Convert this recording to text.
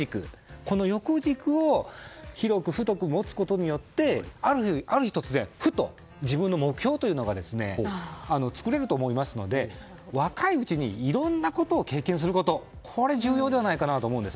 この横軸を広く太く持つことによってある日、突然ふと自分の目標というのが作れると思いますので若いうちにいろんなことを経験することが重要じゃないかと思います。